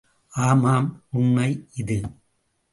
– ஆமாம், உண்மை இது!